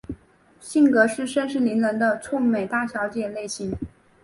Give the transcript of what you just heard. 性格是盛气凌人的臭美大小姐类型。